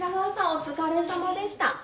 お疲れさまでした。